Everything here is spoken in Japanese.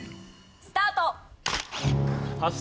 スタート！